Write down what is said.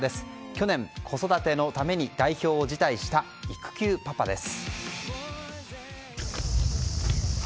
去年、子育てのために代表を辞退した育休パパです。